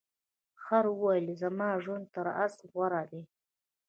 خر وویل چې زما ژوند تر اس غوره دی.